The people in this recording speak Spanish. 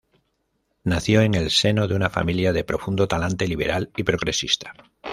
Nació en el seno de una familia de profundo talante liberal y progresista.